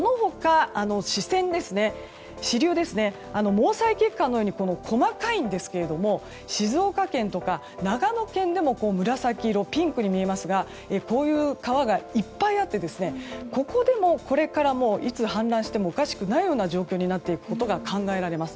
毛細血管のように細かいんですが静岡県とか長野県でも紫色、ピンクに見えますがこういう川がいっぱいあってここでもこれからいつ氾濫してもおかしくないような状況になっていくことが考えられます。